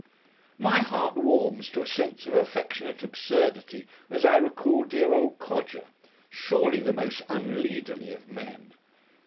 My heart warms to a sense of affectionate absurdity as I recall dear old Codger, surely the most "unleaderly" of men.